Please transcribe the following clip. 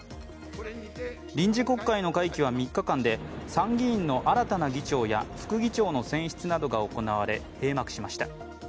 臨時国会の会期は３日間で参議院の新たな議長や副議長の選出などが行われ閉幕しました。